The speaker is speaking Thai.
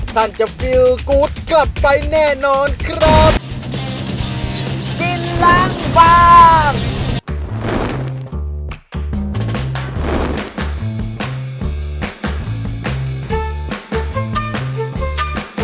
ท่านจะคลับไปแน่นอนครับดินล้างบาง